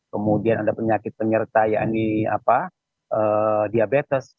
kemudian ada penyakit penyerta ya ini diabetes